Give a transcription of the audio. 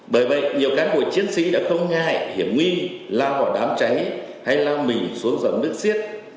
bởi vậy nhiều cán bộ chiến sĩ đã không ngại hiểm nguy lao vào đám cháy hay lao mình xuống dòng nước xiết